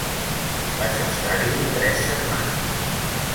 Vaig estar-hi tres setmanes.